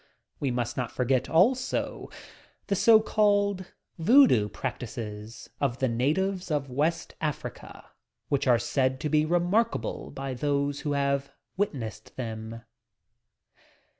We must not forget, also, the so called "Voodoo" prac tices of the natives of West Africa, which are said to be remarkable by those who have witnessed them.